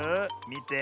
みて。